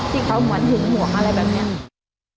ที่เขาเหมือนหึงห่วงอะไรแบบนี้